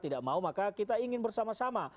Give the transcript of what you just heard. tidak mau maka kita ingin bersama sama